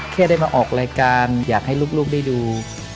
แค่ได้มาออกรายการอยากให้ลูกได้ดู